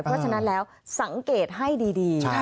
เพราะฉะนั้นแล้วสังเกตให้ดี